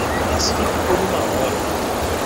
Mas fique por uma hora